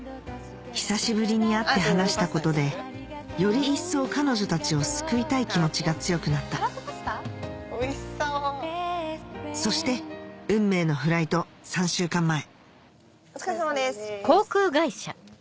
久しぶりに会って話したことでより一層彼女たちを救いたい気持ちが強くなったそして運命のフライト３週間前お疲れさまです。